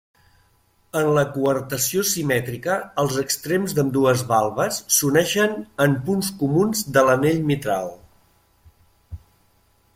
En la coartació simètrica, els extrems d'ambdues valves s'uneixen en punts comuns de l'anell mitral.